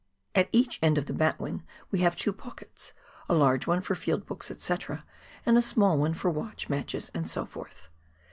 At each end of the batwing we have two pockets, a large one for field books, &c., and a small one for watch, matches, and so forth.